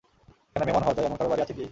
এখানে মেহমান হওয়া যায় এমন কারও বাড়ি আছে কি?